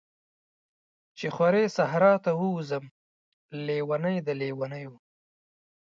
چی خوری صحرا ته ووځم، لیونۍ د لیونیو